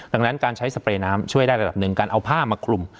ดังนั้นการใช้สเปรย์น้ำช่วยได้ระดับหนึ่งการเอาผ้ามาคลุม